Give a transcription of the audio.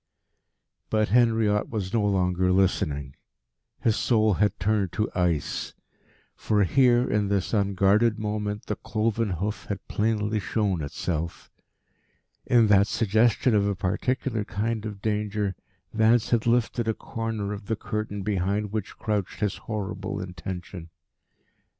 But Henriot was no longer listening. His soul had turned to ice. For here, in this unguarded moment, the cloven hoof had plainly shown itself. In that suggestion of a particular kind of danger Vance had lifted a corner of the curtain behind which crouched his horrible intention.